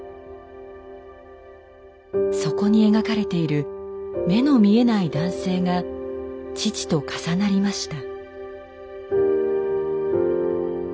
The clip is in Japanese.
そこに描かれている目の見えない男性が父と重なりました。